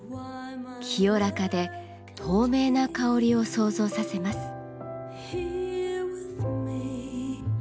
清らかで透明な香りを想像させます。